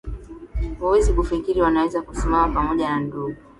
huwezi kufikiri wanaweza kusimama pamoja kama ndugu